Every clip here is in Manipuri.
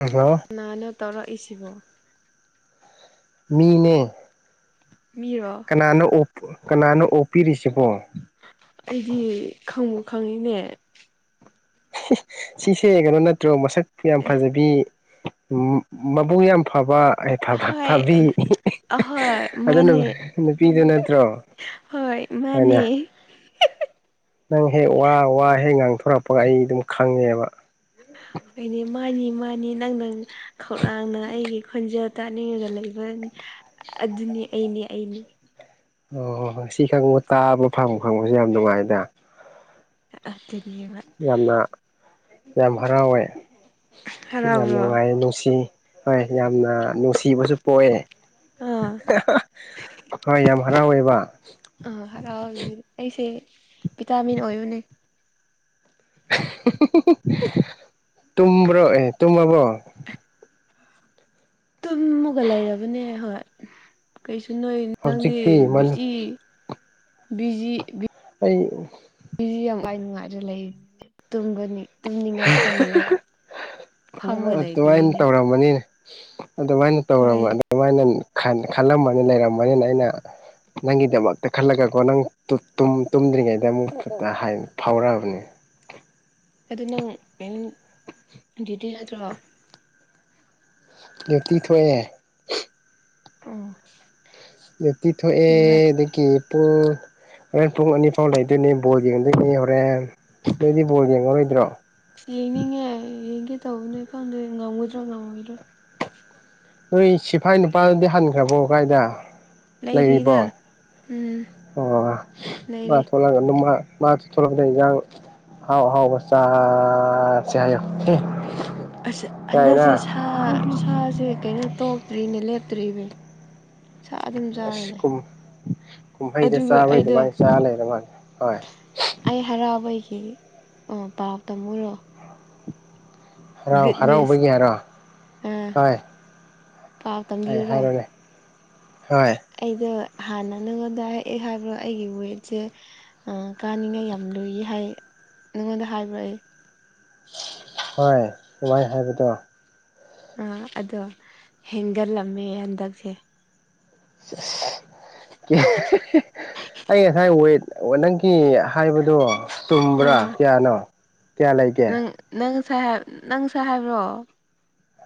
ꯍꯜꯂꫭ ꯀꯅꯥꯅꫭ ꯇꯧꯔꯛ ꯏ ꯁꯤꯕꯣ ꯃꯤ ꯅꯦ ꯃꯤꯔꯣ ꯀꯅꯥꯅ ꯑꫭꯛ ꯀꯅꯥꯅꫭ ꯑꯣꯞꯄꯤꯔꯤꯁꯤꯕꯣ ꯑꯩꯗꯤ ꯈꯪꯕꯨ ꯈꯪꯉꯤ ꯅꯦ ꯁꯤꯁꯦ ꯀꯩꯅꯣ ꯅꯠꯇ꯭ꯔꯣ ꯃꯁꯛ ꯌꯥꯝꯅ ꯐꯖꯕꯤ ꯎꯝ ꯃꯕꯨꯨꯡ ꯌꯥꯝꯅ ꯐꯕ ꯑꯩ ꯐꯥ ꯍꯣꯏ ꯐꯥꯕꯤ ꯑꯍꯣꯏ ꯑꯗꯨ ꯃꯥꯅꯦ ꯅꯨꯄꯤꯗꯨ ꯅꯠꯇ꯭ꯔꯣ꯫ ꯍꯣꯏ ꯃꯥꯅꯦ꯫ ꯍꯥꯏꯅꯦ ꯅꯪ ꯍꯦꯛ ꯋꯥ ꯋꯥ ꯍꯦꯛ ꯉꯥꯡꯊꯣꯔꯛꯄꯒꯥ ꯑꯩ ꯑꯗꯨꯝ ꯈꯪꯉꯦꯕꯥ꯫ ꯑꯩꯗꯤ ꯃꯥꯅꯤ ꯃꯥꯅꯤ ꯅꯪꯅ ꯈꯧꯔꯥꯡꯅ ꯑꯩꯒꯤ ꯈꯣꯟꯖꯦꯟ ꯇꯥꯅꯤꯡꯉꯒꯥ ꯂꯩꯕ꯫ ꯑꯗꯨꯅꯦ ꯑꯩꯅꯦ ꯑꯩꯅꯦ꯫ ꯑꯣ ꯁꯤ ꯈꯪꯕ ꯇꯥꯕ ꯐꯪꯕ ꯐꯪꯕꯁꯨ ꯌꯥꯝ ꯅꯨꯡꯉꯥꯏꯗꯥ ꯥꯑꯗꯨꯅꯤꯕꯥ ꯌꯥꯝꯅ ꯌꯥꯝ ꯍꯔꯥꯎꯋꯦ ꯌꯥꯝ ꯍꯔꯥꯎꯕ꯭ꯔꯣ ꯅꯨꯡꯉꯥꯏꯌꯦ ꯅꯨꯡꯁꯤ ꯍꯣꯏ ꯌꯥꯝꯅ ꯅꯨꯡꯁꯤꯕꯁꯨ ꯄꯣꯛꯑꯦ ꯑꯥ ꯍꯣꯏ ꯌꯥꯝ ꯍꯔꯥꯎꯋꯦꯕ ꯑꯥ ꯍꯔꯥꯎꯖꯤ ꯑꯩꯁꯦ ꯚꯤꯇꯥꯃꯤꯟ ꯑꯣꯏꯕꯅꯦ ꯇꯨꯝꯕ꯭ꯔꯣ ꯑꯦ ꯇꯨꯝꯃꯕꯣ ꯇꯨꯝꯃꯒ ꯂꯩꯔꯕꯅꯦ ꯍꯣꯏ ꯀꯩꯁꯨ ꯅꯣꯏ ꯅꯪꯗꯤ ꯍꯧꯖꯤꯛꯇꯤ ꯕꯤꯖꯤ ꯕꯤꯖꯤ ꯑꯩ ꯃꯤꯁꯤ ꯌꯥꯝ ꯋꯥꯏ ꯅꯨꯡꯉꯥꯏꯔ ꯂꯩꯔꯤ ꯇꯨꯝꯒꯅꯤ ꯇꯨꯝꯅꯤꯉꯥꯏ ꯈꯪꯅ ꯐꯝꯃ ꯂꯩꯕꯅꯤꯅꯦ ꯑ ꯕꫭꯅꯤꯅꯦ [inaudible] ꯑꯗꯨꯃꯥꯏꯅ ꯇꯧꯔꯝꯕꯥ ꯑꯗꯨꯃꯥꯏꯅ ꯈꯜꯂꯝꯃꯒꯥ ꯂꯩꯔꯝꯒꯅꯤꯅ ꯑꯩꯅ ꯅꯪꯒꯤꯗꯃꯛꯇꯥ ꯈꯜꯂꯒꯀꯣ ꯅꯪ ꯇꯨꯝꯗ꯭ꯔꯤꯉꯩꯗ ꯑꯃꯨꯛ ꯐꯥꯎꯔꯛꯑꯕ ꯅꯦ꯫ ꯑꯗꯨ ꯅꯪ ꯀꯩꯅꫭ ꯗ꯭ꯌꯨꯇꯤ ꯆꯠꯇ꯭ꯔꯣ ꯗꯌꯨꯇꯤ ꯊꯣꯛꯑꯦ ꯑꯣ ꯑꯌꯨꯛꯇꯤ ꯊꯣꯛꯑꯦ ꯑꯗꯒꯤ ꯄꯨꯡ ꯍꯣꯔꯦꯟ ꯄꯨꯡ ꯑꯅꯤ ꯐꯥꯎ ꯂꯩꯗꯣꯏꯅꯦ ꯕꫭꯜ ꯌ°ꯡꯗꫭꯏꯅꯤ ꯍꯣꯔꯦꯟ ꯅꯣꯏꯗꯤ ꯕꯣꯜ ꯌꯦꯡꯉꯔꯣꯏꯗ꯭ꯔꯣ꯫ ꯌꯦꯡꯅꯤꯡꯉꯦ ꯌꯦꯡꯒꯦ ꯇꯧꯕꯅꯦ ꯈꯪꯗꯦ ꯉꯝꯒꯗꯔꯥ ꯉꯝꯃꯣꯏꯗ꯭ꯔꯥ ꯅꯣꯏꯒꯤ ꯁꯤꯐꯥꯏ ꯅꯨꯄꯥꯗꯗꯤ ꯍꯟꯈ꯭ꯔꯕꯣ ꯋꯥꯒꯥꯏꯗ ꯂꯩꯔꯤꯕꯣ ꯂꯩꯔꯤꯗ ꯎꯝ ꯑꯣ ꯃꯥ ꯂꯩꯔꯤ ꯊꯣꯛꯂꯛꯒ ꯑꯗꯨꯝ ꯃꯥ ꯫ ꯃꯥ ꯊꯣꯂꯛꯄꯗꯥ ꯍꯦꯟꯁꯥꯡ ꯍꯥꯎ ꯍꯥꯎ ꯕ ꯆꯥꯁꯤ ꯍꯥꯏꯌꯨ ꯑꯁ ꯍꯟꯗꯛꯁꯦ ꯁꯥ ꯁꯥꯁꯦ ꯀꯩꯅꯣ ꯇꯣꯛꯇ꯭ꯔꯤꯅꯦ ꯂꯦꯞꯇ꯭ꯔꯤꯅꯦ ꯁꯥ ꯑꯗꯨꯝ ꯆꯥꯔ ꯑꯁ ꯂꯩ ꯀꯨꯝꯍꯩꯗ ꯑꯗꯨꯒ ꯆꯥꯕꯩ ꯑꯩꯗꯣ ꯑꯗꯨꯃꯥꯏꯅ ꯆꯥꯔ ꯂꯩꯔ ꯃꯥꯜꯂꯦ ꯍꯣꯏ ꯑꯩ ꯍꯔꯥꯕꯒꯤ ꯄꯥꯎ ꯇꯝꯃꯨꯔꯣ ꯍꯔꯥꯎ ꯒꯨꯗ ꯅ꯭ꯌꯨꯁ ꯍꯔꯥꯎꯕꯒꯤ ꯍꯥꯏꯔꯣ ꯑꯥ ꯍꯣꯏ ꯄꯥꯎ ꯍꯣꯏ ꯇꯝꯕꯤꯌꯨꯔꯣ ꯍꯥꯏꯔꯣꯅꯦ ꯍꯣꯏ ꯑꯩꯗꯣ ꯍꯥꯟꯅ ꯅꯉꯣꯟꯗ ꯍꯑꯦ ꯍꯥꯏꯕ꯭ꯔꯣ ꯑꯩꯒꯤ ꯋꯦꯠꯁꯦ ꯀꯥꯅꯤꯡꯉꯥꯏ ꯌꯥꯝ ꯂꯨꯏ ꯍꯥꯏ ꯅꯪꯉꯣꯟꯗ ꯍꯥꯏꯕ꯭ꯔꯣ ꯑꯩ ꯍꯣꯏ ꯑꯗꯨꯃꯥꯢ ꯍꯥꯏꯕꯗꯣ ꯑꯥ ꯑꯗꯣ ꯍꯦꯟꯒꯠꯂꯝꯃꯦ ꯍꯟꯗꯛꯁꯦ ꯑꯩ ꯉꯁꯥꯏ ꯑꯦꯠ ꯅꯪꯒꯤ ꯍꯥꯏꯕꯗꯣ ꯇꯨꯝꯕ꯭ꯔꯥ ꯑꯥ ꯀꯌꯥꯅꯣ ꯀꯌꯥ ꯂꯩꯒꯦ ꯅꯪ ꯅꯪ ꯅꯪ ꯉꯁꯥꯢ ꯍꯥꯏꯕ꯭ꯔꯣ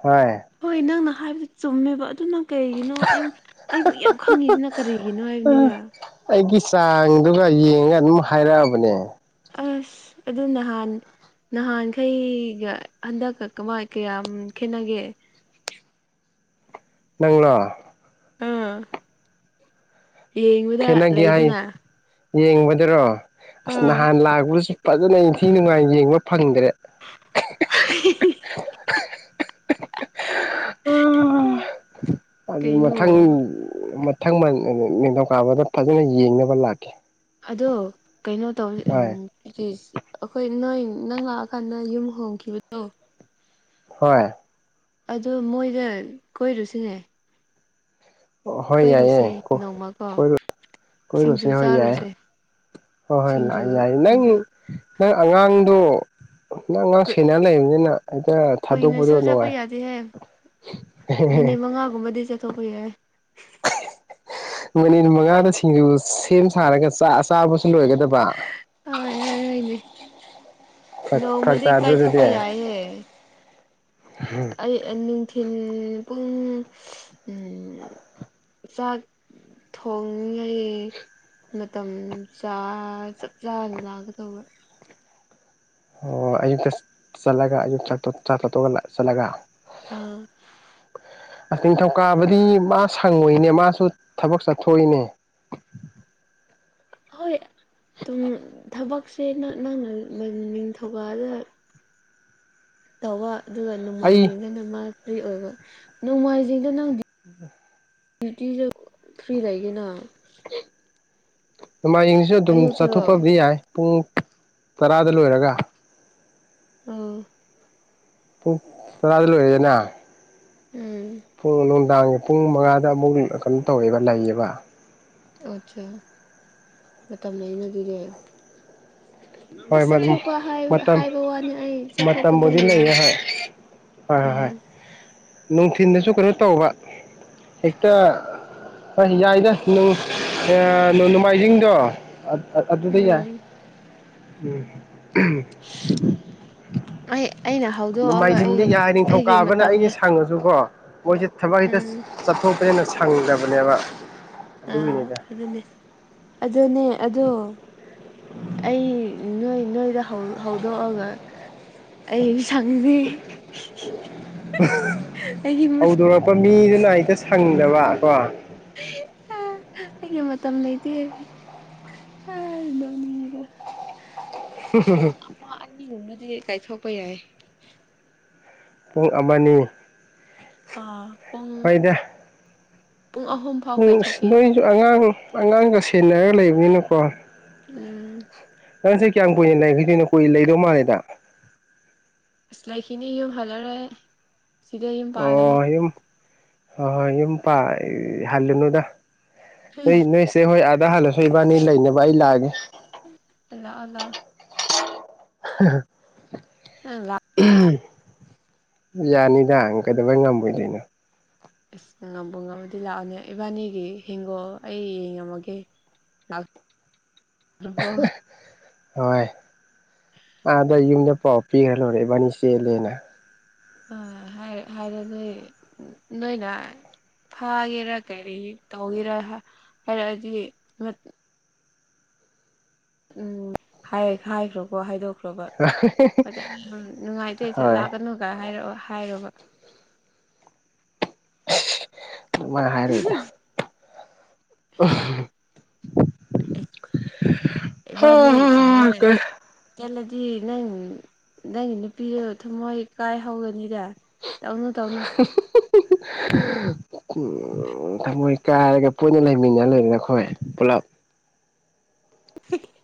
ꯍꯣꯏ ꯍꯣꯏ ꯅꯪꯅ ꯍꯥꯏꯕꯗꯣ ꯆꯨꯝꯃꯦꯕ ꯑꯗꯨꯅ ꯀꯔꯤꯒꯤꯅꯣ ꯑꯩ ꯑꯩꯕꯨ ꯌꯥꯝ ꯈꯪꯉꯤꯁꯤꯅ ꯀꯔꯤꯒꯤꯅꯣ ꯍꯥꯏꯕꯅꯤꯗ ꯑꯩꯒꯤ ꯆꯥꯡꯗꯨꯒ ꯌꯦꯡꯉ ꯑꯗꯨꯝ ꯍꯥꯏꯔꯛꯑꯕꯅꯦ ꯑꯁ ꯑꯗꯨ ꯅꯍꯥꯟ ꯅꯍꯥꯟꯈꯩꯒ ꯍꯟꯗꯛꯀ ꯀꯃꯥꯏ ꯀꯌꯥꯝ ꯈꯦꯠꯅꯒꯦ ꯅꯪꯔꯣ ꯎꯝ ꯈꯦꯠꯅꯒꯦ ꯍꯥꯏ ꯌꯦꯡꯕꯗꯔꯣ ꯑꯁ ꯑꯥ ꯅꯍꯥꯟ ꯂꯥꯛꯄꯁꯨ ꯐꯖꯅ ꯏꯟꯊꯤ ꯅꯨꯡꯉꯥꯏꯅ ꯌꯦꯡꯕ ꯐꯪꯗ꯭ꯔꯦ [unintelligible] ꯎ [unintelligible] ꯀꯩꯅꯣ ꯃꯊꯪ ꯃ ꯊꯪꯕꯟ ꯅꯤꯡꯊꯧꯀꯥꯕꯗ ꯐꯖꯅ ꯌꯦꯡꯅꯕ ꯂꯥꯛꯀ‌ꯦ ꯑꯗꯣ ꯀꯩꯅꯣ ꯇꯧ ꯎꯝ ꯑꯗꯨ ꯑꯩꯈꯣꯏ ꯅꯣꯏ ꯅꯪ ꯂꯥꯛꯑꯀꯥꯟꯗ ꯌꯨꯝ ꯍꯣꯡꯈꯤꯕꯗꯣ ꯍꯣꯏ ꯑꯗꯨ ꯃꯣꯏꯗ ꯀꯣꯏꯔꯨꯁꯤꯅꯦ ꯍꯣꯏ ꯌꯥꯏꯌꯦ ꯀꯣꯏꯔꯨꯁꯦ ꯅꯣꯡꯃꯀꯣ ꯀꯣꯏꯔꯨꯁꯦ ꯁꯤꯡꯖꯨ ꯍꯣꯏ ꯌꯥꯏ ꯆꯥꯔꯨꯁꯦ ꯍꯣꯏ ꯍꯣꯏ ꯁꯤꯡꯖꯨ ꯂꯥꯑꯦ ꯂꯥꯑꯦ ꯌꯥꯏꯌꯦ ꯅꯪ ꯁꯤꯡꯖꯨ ꯅꯪ ꯑꯉꯥꯡꯗꯣ ꯅꯪ ꯉꯥꯡ ꯁꯦꯟꯅ ꯂꯩꯕꯅꯤꯅ ꯍꯦꯛꯇ ꯊꯥꯗꯣꯛꯄꯗꯣ ꯀꯨꯏꯅꯁꯨ ꯆꯠꯄ ꯅꯨꯡꯉꯥꯏ ꯌꯥꯗꯦꯍꯦ ꯑꯍ‌ꯦꯍ‌ꯦ ꯒꯨꯨꯝꯕꯗꯤ ꯆꯠ ꯇꯧꯕ ꯌꯥꯏ ꯃꯤꯅꯤꯠ ꯃꯉꯥꯗ ꯁꯤꯡꯖꯨ ꯁꯦꯝ ꯁꯥꯔꯒ ꯆꯥ ꯆꯥꯕꯁꯨ ꯂꯣꯏꯒꯗꯕ ꯑ ꯍ‌‌ꯣ ꯍ‌ꯣꯏ ꯍ‌ꯣꯏꯅꯦ ꯐꯔꯛ ꯅꯣꯡꯃꯗꯤ ꯇꯥꯗ꯭ꯔꯣ ꯑꯗꯨꯗꯤ ꯀꯥꯏꯊꯣꯛꯄ ꯌꯥꯏꯍ‌ꯦ [unintelligible] ꯑꯩ ꯅꯨꯡꯊꯤꯜ ꯄꯨꯡ ꯎꯝ ꯆꯥꯛ ꯊꯣꯡꯂꯩ ꯃꯇꯝ ꯆꯥ ꯆꯞ ꯆꯥꯅ ꯂꯥꯛꯀꯗꯧꯕ ꯑꯣ ꯑꯌꯨꯛꯇ ꯆꯠꯂꯒ ꯑꯌꯨꯛ ꯆꯥꯛ ꯇ‌ꯣꯛ ꯆꯥꯛꯇ‌ꯣꯛꯇ‌ꯣꯛ ꯆꯠꯂꯒ ꯎꯝ ꯑꯁ ꯅꯤꯡꯊꯧꯀꯥꯕꯗꯤ ꯃꯥ ꯁꯪꯉꯣꯏꯅꯦ ꯃꯥꯁꯨ ꯊꯕꯛ ꯆꯠꯊꯣꯛꯏꯅꯦ ꯍꯣꯏ ꯗꯨꯝ ꯊꯕꯛꯁꯦ ꯅ ꯅꯪ ꯅ ꯅꯪ ꯅꯤꯡꯊꯧꯀꯥꯕꯗ ꯇꯧꯕ ꯑꯗꯨꯒ ꯑꯩ ꯅꯣꯡꯃꯥꯏꯖꯤꯡꯗꯅ ꯃꯥ ꯐ꯭ꯔꯤ ꯑꯣꯏꯕ ꯅꯣꯡꯃꯥꯏꯖꯤꯡꯗ ꯅꯪ ꯎꯝ ꯗ꯭ꯌꯨꯗꯤꯁꯨ ꯐ꯭ꯔꯤ ꯂꯥꯏꯌ‌ꯦꯅ ꯑ ꯅꯣꯡꯃꯥꯏꯖꯤꯡꯁꯤꯁꯨ ꯑꯗꯨꯝ ꯑꯌꯨꯛꯇꯔꯣ ꯆꯠꯊꯣꯛꯄꯕꯨꯗꯤ ꯌꯥꯏ ꯄꯨꯡ ꯇꯔꯥꯗ ꯂꯣꯏꯔꯒ ꯎꯝ ꯄꯨꯡ ꯇꯔꯥꯗ ꯂꯣꯏꯔꯦꯅ ꯎꯝ ꯄꯨꯡ ꯅꯨꯡꯗꯥꯡꯒꯤ ꯄꯨꯡ ꯃꯉꯥꯗ ꯑꯃꯨꯛ ꯀꯩꯅꯣ ꯇꯧꯋꯦꯕ ꯂꯩꯌꯦꯕ ꯑꯆꯥꯥ ꯃꯇꯝ ꯂꯩꯅ ꯑꯗꯨꯗꯤ ꯑꯁ ꯍꯣꯏ ꯃ ꯆꯠꯊꯣꯛꯄ ꯃꯇꯝ ꯍꯥꯏꯕ ꯋꯥꯅꯤ ꯑꯩ ꯆꯠꯊꯣꯛꯄꯗꯨ ꯃꯇꯝꯕꯨꯗꯤ ꯌꯥꯎ ꯂꯩꯌ‌ꯦ ꯍꯣꯏ ꯍꯣꯏ ꯍꯣꯏ ꯍꯣꯏ ꯎꯝ ꯅꯨꯡꯊꯤꯟꯗꯁꯨ ꯀꯩꯅꯣ ꯇꯧꯕ ꯍꯦꯛꯇ ꯍꯣꯏ ꯌꯥꯏꯗ ꯅ ꯑꯥ ꯅꯣꯡꯃꯥꯏꯖꯤꯡꯗꯣ ꯑꯥ ꯑꯗꯨꯗ ꯌꯥꯏ [inaudible] ꯎꯝ ꯑꯩ ꯑꯩꯅ ꯍꯧꯗꯣꯛꯑꯒ ꯑꯩ ꯅꯣꯡꯃꯥꯏꯖꯤꯡꯗꯤ ꯌꯥꯏ ꯑꯩꯒꯤ ꯅꯤꯡꯊꯧꯀꯥꯕꯅ ꯑꯩꯅ ꯃꯇꯝꯒꯤ ꯁꯪꯉꯁꯨꯀꯣ ꯃꯣꯏꯁꯦ ꯊꯕꯛ ꯍꯦꯛꯇ ꯎꯝ ꯆꯠꯊꯣꯛꯄꯅꯤꯅ ꯁꯪꯗꯕꯅꯦꯕ ꯑ ꯑꯗꯨꯒꯤꯅꯤꯗ ꯑꯗꯨꯅꯦ ꯑꯗꯨꯅꯦ ꯑꯗꯣ ꯑꯩ ꯅꯣꯏ ꯅꯣꯏꯗ ꯍꯧ ꯍꯧꯗꯣꯛꯑꯒ ꯑꯩ ꯁꯪꯗꯦ [unintelligible] ꯑꯩꯒꯤ ꯄ ꯃꯤꯗꯅ ꯍ‌ꯦꯛꯇ ꯁꯪꯗꯕ ꯀꯣ [unintelligible] ꯑꯩꯒꯤ ꯃꯇꯝ ꯂꯩꯇꯦ ꯑ ꯅꯣꯛꯅꯤꯡꯉꯤꯗ ꯄꯨꯡ [unintelligible] ꯑꯃ ꯑꯅꯤꯒꯨꯝꯅꯗꯤ ꯀꯥꯏꯊꯣꯛꯄ ꯌꯥꯏꯌꯦ꯫ ꯄꯨꯡ ꯑꯃ ꯑꯅꯤ ꯑ ꯄꯨꯡ ꯄꯨꯡ ꯑꯍꯨꯝ ꯐꯥꯎ ꯎ ꯀꯥꯏꯊꯣꯛꯄ ꯌꯥꯏ ꯅꯣꯏꯁꯨ ꯑꯉꯥꯡ ꯑꯉꯥꯡꯒ ꯁꯦꯟꯅꯔꯒ ꯂꯩꯕꯅꯤꯅꯀꯣ ꯎꯝ ꯅꯪꯁꯦ ꯀꯌꯥꯝ ꯀꯨꯏꯅ ꯂꯩꯈꯤꯗꯣꯏꯅꯣ ꯀꯨꯏꯅ ꯂꯩꯗꯧ ꯃꯥꯜꯂꯦꯗ ꯂꯩꯈꯤꯅꯤ ꯌꯨꯝ ꯍꯜꯂꯔꯣꯢ ꯑꯣ ꯌꯨꯝ ꯍ ꯍꯣꯏ ꯌꯨꯝ ꯄ ꯍꯜꯂꯨꯅꯨꯗ ꯅꯣꯏ ꯂꯥꯛꯑꯣ ꯅꯣꯏꯆꯦꯍꯣꯏ ꯑꯥꯗ ꯍꯜꯂꯁꯨ ꯏꯕꯥꯅꯤ ꯂꯩꯅꯕ ꯑꯩ ꯂꯥꯛꯑꯒꯦ꯫ ꯂꯥꯀ ꯑꯣ ꯂꯛ ꯑꯣ [unintelligible] ꯎꯝ ꯂꯥꯛ ꯎꯝ ꯌꯥꯅꯤꯗꯪ ꯀꯩꯗꯧꯕꯩ ꯉꯝꯃꯣꯏꯗꯣꯏꯅꯣ? ꯉꯝꯕꯨ ꯉꯃꯗꯤ ꯂꯥꯛꯑꯣꯅꯦ ꯏꯕꯥꯅꯤꯒꯤ ꯍꯤꯡꯒꯣꯜ ꯑꯩ ꯌꯦꯉꯝꯃꯒꯦ꯫ [unintelligible] ꯍꯣꯏ ꯑꯗ ꯑꯗꯣ ꯌꯨꯝꯗ ꯄꯥꯎ ꯄꯤꯈ꯭ꯔ ꯂꯣꯏꯔꯦ ꯏꯕꯥꯅꯤ ꯆꯦꯜꯂꯦꯅ ꯑ ꯍꯥꯏ ꯍꯥꯏꯔꯦ ꯅꯣꯏ ꯅꯣꯏꯅ ꯐꯥꯒꯦꯔꯥ ꯀꯔꯤ ꯇꯧꯒꯦꯔꯥ ꯍꯥꯏꯔꯛꯑꯗꯤ ꯎꯝ ꯍꯥꯏ ꯍꯥꯏꯈ꯭ꯔꯣꯀꯣ ꯍꯥꯏꯗꯣꯛ ꯈ꯭ꯔꯣꯕ ꯑꯣꯖꯥ ꯌꯥꯝ ꯅꯨꯡꯉꯥꯏꯖꯩ ꯍꯣꯏ ꯁꯠꯂꯥꯛꯒꯅꯨꯒ ꯍꯥꯏꯔꯛ ꯍꯥꯏꯔꯣꯕ꯫ ꯀꯥꯃꯥꯏ ꯍꯥꯏꯔꯣꯏꯗ [unintelligible] ꯏꯕꯅꯤ ꯁꯖ ꯎꯝ ꯆꯦꯜꯂꯗꯤ ꯅꯪ ꯅꯪꯒꯤ ꯅꯨꯄꯤꯗꯨ ꯊꯨꯝꯃꯣꯏ ꯀꯥꯏ ꯍꯧꯒꯅꯤꯗ ꯇꯧꯅꯨ ꯇꯧꯅꯨ [unintelligible] ꯎꯝ ꯊꯃꯣꯏ ꯀꯥꯏꯔꯒ ꯄꯨꯟꯅ ꯂꯩꯃꯤꯟꯅ ꯂꯩꯗꯅ ꯑꯩꯈꯣꯏ ꯄꯨꯂꯞ [unintelligible]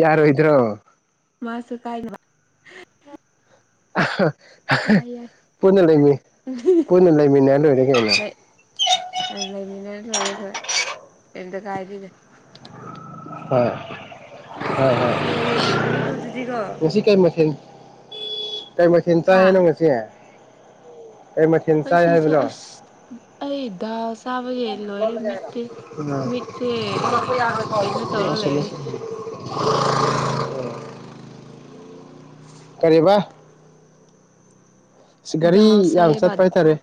ꯌꯥꯔꯣꯏꯗ꯭ꯔꯣ? ꯃꯥꯁꯨ ꯀꯥꯏꯅ ꯑꯍꯥ ꯑꯍꯥ ꯌꯥꯏ ꯌꯥꯏ ꯄꯨꯟꯅ ꯂꯩꯃꯤꯟ ꯄꯨꯟꯅ ꯂꯩꯃꯤꯟꯅꯔ ꯂꯣꯏꯔꯦ ꯀꯩꯅꯣ ꯂꯩꯃꯤꯟꯅ ꯂꯣꯏꯔꯦ ꯍꯣꯏ ꯀꯩ ꯀꯌꯤꯝꯇ ꯀꯥꯏꯗꯦ꯫ ꯍꯣꯏ ꯍꯣꯏ ꯍꯣꯏ ꯕꯣꯜ ꯌꯦꯡꯉꯝꯕꯒꯤꯒꯣ ꯑꯗꯨꯗꯤꯒꯣ ꯉꯁꯤ ꯀꯩ ꯃꯊꯦꯟ ꯀꯩ ꯃꯊꯦꯟ ꯍꯥ ꯆꯥꯏꯑꯅꯣ ꯉꯁꯤ ꯀꯩ ꯃꯊꯦꯟ ꯆꯥꯏ ꯉꯁꯤꯁꯦ ꯍꯥꯏꯕꯤꯅꯣ? ꯑꯁ ꯑꯩ ꯗꯥꯜꯁ ꯃꯤꯠꯁꯦ [unintelligible] ꯀꯩꯅꯣ ꯇꯧꯔ ꯂꯩꯔꯦ [inaudible] [inaudible] ꯀꯔꯤꯕ ꯏꯁ ꯒꯥꯔꯤ ꯗꯥꯜ ꯌꯥꯝ ꯆꯥꯏꯌꯦꯕ ꯆꯠꯄ ꯍꯥꯏꯇꯔꯦ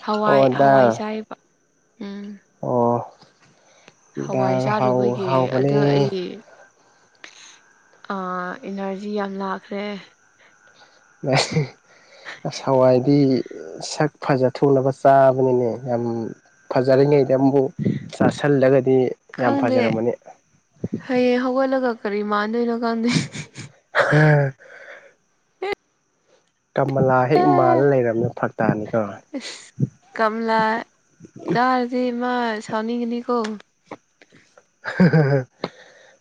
ꯍꯋꯥꯏ ꯍꯋꯥꯏ ꯆꯥꯏꯌꯦꯕ꯫ ꯑꯣ ꯍꯋꯥꯏ ꯗꯥꯜ ꯍꯥꯎ ꯍꯥꯎꯕꯅꯦ꯫ ꯑ ꯏꯅꯔꯖꯤ ꯌꯥꯝ ꯂꯥꯛꯈ꯭ꯔꯦ꯫ ꯑꯁ ꯋꯥꯏꯗꯤ ꯁꯛ ꯐꯖ ꯊꯣꯛꯅꯕ ꯆꯥꯕꯅꯤꯅꯦ ꯌꯥꯝ ꯐꯖꯔꯤꯉꯩꯗ ꯑꯃꯨꯛ ꯆꯥꯁꯤꯜꯂꯒꯗꯤ ꯌꯥꯝ ꯈꯪꯗꯦ ꯐꯖꯔꯝꯃꯅꯤ ꯍꯌꯦꯡ ꯍꯧꯒꯠꯂꯒ ꯀꯔꯤ ꯃꯥꯟꯗꯣꯏꯅꯣ ꯈꯪꯗꯦ [unintelligible] ꯀꯃꯂꯥ ꯍꯦꯛ ꯃꯥꯜꯂ ꯂꯩꯔꯝꯃꯦ ꯐꯛꯇꯥꯅꯤꯀꯣ ꯏꯁ ꯀꯝꯂꯥ ꯇꯥꯔꯗꯤ ꯃꯥ ꯁꯥꯎꯅꯤꯡꯒꯅꯤꯀꯣ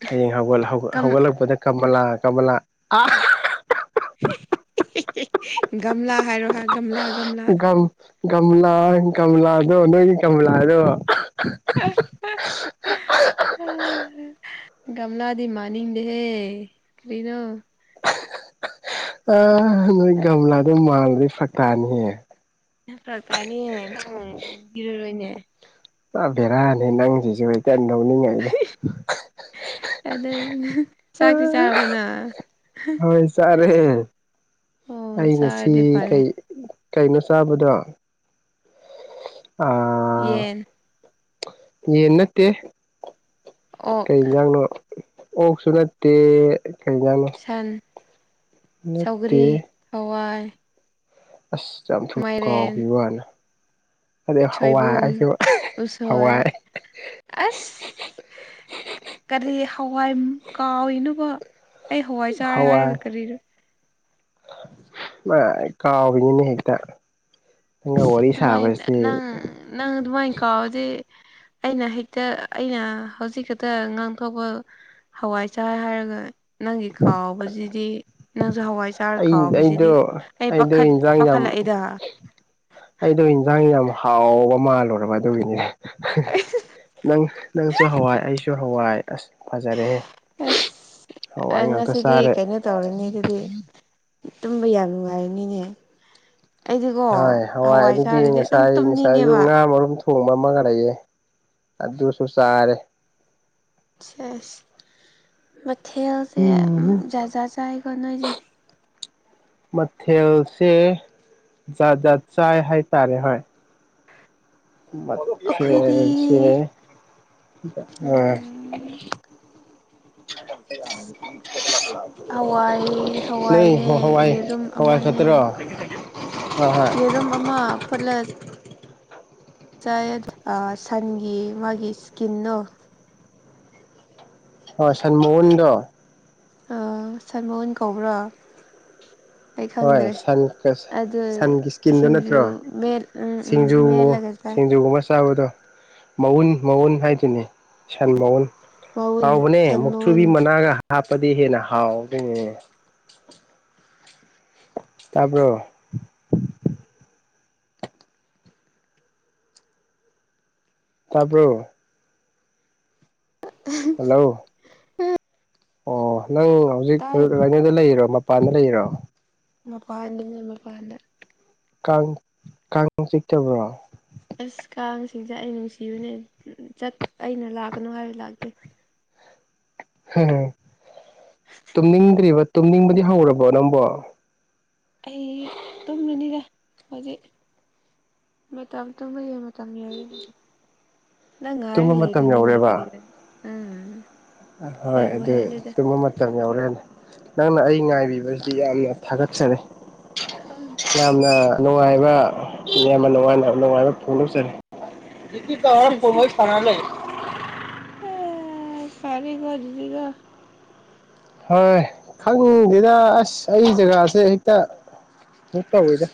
ꯍꯌꯦꯡ ꯍꯧꯒꯠ ꯍꯧꯒꯠ ꯀꯝ ꯍꯧꯒꯠꯂꯛꯄꯗ ꯀꯃꯂꯥ ꯀꯃꯂꯥ ꯑ ꯒꯝꯂꯥ ꯍꯥꯏꯔꯣ ꯍꯥ ꯒꯝꯂꯥ ꯒꯝꯂꯥ ꯒꯝ ꯒꯝꯂꯥ ꯑꯣꯏ ꯒꯝꯂꯗꯣ ꯅꯣꯏꯒꯤ ꯒꯝꯂꯥꯗꯣ ꯑ [inaudible] ꯒꯝꯂꯥꯗꯤ ꯃꯅꯤꯡꯗꯦꯍꯦ ꯀꯔꯤꯅꯣ ꯑ ꯅꯣꯏ ꯒꯝꯂꯥꯗꯣ ꯃꯥꯜꯗꯤ ꯐꯇꯥꯥꯅꯤꯍꯦ ꯔ ꯇꯅꯤ ꯅꯪ ꯏꯔꯔꯣꯏꯅꯦ ꯑꯕꯤꯔꯥꯅꯤ ꯅꯪꯖꯖꯩꯗ ꯑꯗꯎ ꯅꯉ ꯑꯗꯨꯗ ꯆꯥꯛꯇꯤ ꯆꯥꯔꯕꯣꯅ ꯍꯣꯏ ꯆꯥꯔꯦ ꯑꯩ ꯉꯁꯤ ꯆꯥꯔꯗꯤ ꯐꯔꯦ ꯀꯩ ꯀꯩꯅꯣ ꯆꯥꯕꯗꯣ ꯑ ꯌꯦꯟ ꯌꯦꯟꯅꯠꯇꯦ ꯑꯣ ꯀꯩ ꯌꯦꯟꯖꯥꯡꯅꯣ ꯑꯣꯛꯁꯨ ꯅꯠꯇꯦ ꯀꯩ ꯌꯦꯟꯖꯥꯡꯅꯣ ꯁꯟ ꯁꯧꯒꯔꯤ ꯍꯋꯥꯏ ꯑꯁ ꯌꯥꯝ ꯊꯨ ꯀꯥꯎꯈꯤ ꯃꯥꯏꯔꯦꯟ ꯋꯥꯅꯦ ꯑꯗꯩ ꯍꯋꯥꯏ ꯁꯣꯏꯕꯨꯝ ꯑꯩꯁꯨ ꯎꯁꯣꯏ ꯍꯋꯥꯏ ꯑꯁ ꯀꯔꯤ ꯍꯋꯥꯏ ꯀꯥꯎꯏꯗꯨꯕꯣ ꯑꯩ ꯍꯋꯥꯏ ꯆꯥꯔꯦ ꯍꯥꯏꯔꯒ ꯀꯔꯤꯔꯣ ꯃꯥꯏ ꯀꯥꯎꯏꯅꯤꯅꯦ ꯍꯦꯛꯇ ꯑꯩꯅ ꯑꯁ ꯋꯥꯔꯤ ꯑꯗꯨꯃꯥꯏꯅ ꯁꯥꯕꯖꯦ ꯅꯪ ꯅꯪ ꯑꯗꯨꯃꯥꯏ ꯀꯥꯎꯔꯗꯤ ꯑꯩꯅ ꯍꯦꯛꯇ ꯑꯩꯅ ꯍꯧꯖꯤꯛ ꯈꯛꯇ ꯉꯥꯡꯊꯣꯛꯄ ꯍꯋꯥꯏ ꯆꯥꯏ ꯍꯥꯏꯔꯒ ꯅꯪꯒꯤ ꯀꯥꯎꯕꯖꯤꯗꯤ ꯅꯪꯁꯨ ꯍꯋꯥꯏ ꯆꯥꯔ ꯑꯩ ꯀꯥꯎꯕꯁꯤꯗꯤ ꯑꯩꯗꯣ ꯑꯩꯥ ꯑꯩꯗꯣ ꯄꯈꯠ ꯏꯟꯖꯥꯡ ꯌꯥꯝ ꯄꯈꯠꯂꯛꯏꯗ ꯑꯩꯗꯣ ꯏꯟꯖꯥꯡ ꯌꯥꯝ ꯍꯥꯎꯕ ꯃꯥꯜꯂꯨꯔꯕ ꯑꯗꯨꯒꯤꯅꯤ ꯑ ꯅꯪ ꯅꯪꯁꯨ ꯍꯋꯥꯏ ꯑꯩꯁꯨ ꯍꯋꯥꯏ ꯑꯁ ꯐꯖꯔꯦꯍꯦ ꯑꯁ ꯍꯋꯥꯏ ꯉꯥꯛꯇ ꯉꯁꯤꯗꯤ ꯆꯥꯔꯦ ꯀꯩꯅꯣ ꯇꯧꯔꯅꯤ ꯑꯗꯨꯗꯤ ꯇꯨꯝꯕ ꯌꯥꯝ ꯅꯨꯡꯉꯥꯏꯔꯅꯤꯅꯦ ꯑꯩꯗꯤꯀꯣ ꯍꯣꯏ ꯍꯋꯥꯏ ꯑꯗꯨꯒꯤ ꯆꯥꯔꯗꯤ ꯑꯗꯨꯝ ꯉꯁꯥꯏ ꯉꯁꯥꯏ ꯑꯌꯨꯛ ꯇꯨꯝꯅꯤꯡꯉꯦꯕ ꯉꯥ ꯃꯔꯨꯝ ꯊꯣꯡꯕ ꯑꯃꯒ ꯂꯩꯑꯦ ꯑꯗꯨꯁꯨ ꯆꯥꯔꯦ ꯑꯦ ꯃꯊꯦꯜꯁꯦ ꯎꯝ ꯖꯥ ꯖꯥꯠ ꯆꯥꯏꯀꯣ ꯅꯣꯏꯁꯦ ꯃꯊꯦꯜꯁꯦ ꯖꯥꯗꯥ ꯆꯥꯏ ꯍꯥꯏꯇꯥꯔꯦ ꯍꯣꯏ ꯃꯁ ꯑꯩꯈꯣꯏꯗꯤ ꯑ ꯎꯝ ꯍꯋꯥꯏ ꯅ ꯍꯋꯥꯏꯅꯦ ꯍꯋꯥꯏ ꯌꯦꯔꯨꯝ ꯍꯋꯥꯏ ꯑꯃꯅꯦ ꯀꯠꯇ꯭ꯔ ꯍ ꯍꯣꯏ ꯔꯨꯝ ꯑꯃ ꯐꯨꯠꯂ ꯥꯏ ꯁꯟꯒꯤ ꯃꯥꯒꯤ ꯏꯁꯀꯤꯟꯗꯣ ꯍꯣꯏ ꯁꯟ ꯃꯣꯍꯟꯗ ꯁꯜꯃꯣꯟ ꯀꯧꯕ꯭ꯔꯥ ꯑꯩ ꯍꯣꯏ ꯈꯪꯗ꯭ꯔꯦ ꯁꯟ ꯑꯗꯨ ꯁꯟꯒꯤ ꯏꯁꯀꯤꯟꯗꯨ ꯁꯤꯡꯖꯨ ꯅꯠꯇ꯭ꯔꯣ ꯃ ꯎꯝ ꯎꯝ ꯁꯤꯡꯖꯨ ꯃꯦꯠꯂꯒ ꯆꯥꯏ ꯁꯤꯡꯖꯨꯒꯨꯝꯕ ꯆꯥꯕꯗꯣ ꯃꯎꯟ ꯃꯎꯟ ꯍꯥꯏꯗꯨꯅꯤ ꯁꯟ ꯃꯎꯟ ꯃꯎꯟ ꯍꯥꯎꯕꯅꯦ ꯁꯟ ꯃꯎꯟ ꯃꯨꯛꯊꯨꯕꯤ ꯃꯅꯥꯒ ꯍꯥꯞꯄꯗꯤ ꯍꯦꯟꯅ ꯍꯥꯎꯒꯦꯅꯦ ꯇꯥꯔꯕ꯭ꯔꯣ ꯇꯥꯕꯔ ꯍꯜꯂꯣ ꯑꯣ ꯅꯪ ꯍꯧꯖꯤꯛ ꯇꯥꯏ ꯗ ꯂꯩꯔꯣ ꯃꯄꯥꯟꯗ ꯂꯩꯔꯣ ꯃꯄꯥꯟꯗꯅ ꯃꯄꯥꯟꯗ ꯀꯥꯡ ꯀꯥꯡ ꯆꯤꯛꯇꯕ꯭ꯔꯣ ꯑꯁ ꯀꯥꯡꯁꯤꯡꯁꯦ ꯑꯩ ꯅꯨꯡꯁꯤꯕꯅꯦ ꯆꯠ ꯑꯩꯅ ꯂꯥꯛꯀꯅꯨ ꯍꯥꯏꯕ ꯂꯥꯛꯇꯦ ꯍ ꯇꯨꯝꯅꯤꯡꯗ꯭ꯔꯤꯕ ꯇꯨꯝꯅꯤꯡꯕꯗꯤ ꯍꯧꯔꯕꯣ ꯅꯪꯕꯨꯣ ꯑꯩ ꯇꯨꯝꯕꯅꯤꯗ ꯍꯧꯖꯤꯛ ꯃꯇꯝ ꯇꯨꯝꯕꯒꯤꯡ ꯅꯪ ꯇꯨꯝꯕ ꯍꯥꯏꯂ ꯃꯇꯝ ꯏꯅꯤꯅꯦ ꯌꯥ ꯌꯧꯔꯦꯕ ꯀꯔꯤ ꯎꯝ ꯍꯣꯏ ꯍꯦꯟꯕꯨ ꯑꯗꯨ ꯍꯦꯜꯂꯤꯗ ꯇ ꯃꯇꯝ ꯌꯧꯔꯦꯦ ꯅꯪꯅ ꯑꯩ ꯉꯥꯏꯕꯤꯕꯁꯤꯗꯤ ꯌꯥꯝꯅ ꯊꯥꯒꯠꯆꯔꯤ ꯌꯥꯝꯅ ꯅꯨꯡꯉꯥꯏꯕ ꯌꯥꯝꯅ ꯅꯨꯡꯉꯥꯏꯅ ꯅꯨꯡꯉꯥꯏꯕ ꯐꯣꯡꯗꯣꯛꯆꯔꯤ ꯏꯤ ꯆꯥꯎꯔ ꯐꯣꯏ ꯁꯅꯥ ꯂꯩ ꯑ ꯐꯔꯦ ꯈꯨꯖꯁꯤꯒ ꯍꯣꯏ ꯈꯪꯗꯦꯗ ꯑꯁ ꯑꯩ ꯖꯒꯥꯁꯦ ꯍꯦꯛꯇ ꯨꯛ ꯇꯧꯋꯤꯗ